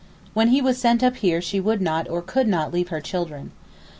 When he was sent up here she would not, or could not, leave her children.